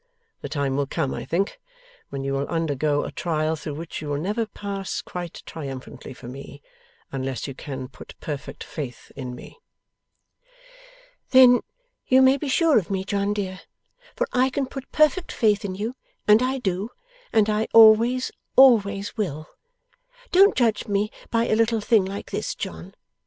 The time will come, I think, when you will undergo a trial through which you will never pass quite triumphantly for me, unless you can put perfect faith in me.' 'Then you may be sure of me, John dear, for I can put perfect faith in you, and I do, and I always, always will. Don't judge me by a little thing like this, John.